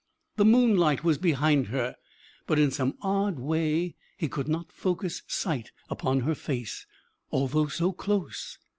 The moonlight was behind her, but in some odd way he could not focus sight upon her face, although so close.